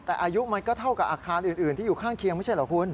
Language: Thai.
แต่อายุมันก็เท่ากับอาคารอื่นที่อยู่ข้างเคียงไม่ใช่เหรอคุณ